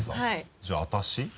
じゃあ私？